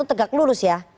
atau tegak lurus ya